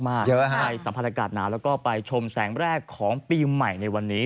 ไปสัมผัสอากาศหนาวแล้วก็ไปชมแสงแรกของปีใหม่ในวันนี้